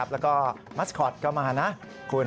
แล้วก็มัสคอตก็มานะคุณ